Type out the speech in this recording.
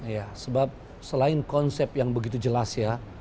ya sebab selain konsep yang begitu jelas ya